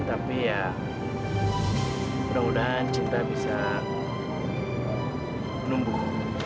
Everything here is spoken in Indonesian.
tapi ya mudah mudahan cinta bisa menumbuh